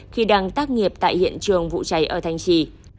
khi đang tác nghiệp tại hiện trường vụ cháy ở thanh trì